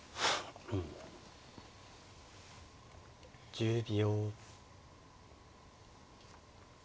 １０秒。